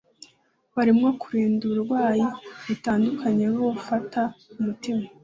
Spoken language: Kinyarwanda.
birimo kurinda uburwayi butandukanye nk’ubufata umutima